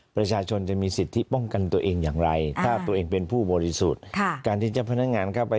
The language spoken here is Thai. เป็นผู้บริสุทธิ์การที่จะพนักงานเข้าไป